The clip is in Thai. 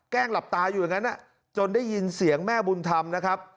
หลับตาอยู่อย่างนั้นจนได้ยินเสียงแม่บุญธรรมนะครับ